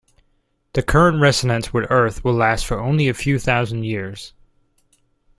The current resonance with Earth will last for only a few thousand years.